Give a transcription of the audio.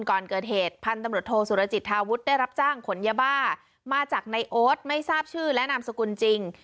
ก่อนเกิดเหตุพันธุ์ตำรวจโทสุรจิตธาวุฒิได้รับจ้างขนยาบ้ามาจากในโอ๊ตไม่ทราบชื่อและนามสกุลจริง